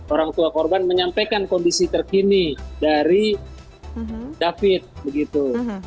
orang tua korban menyampaikan kondisi terkini dari david begitu